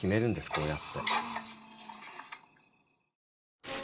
こうやって。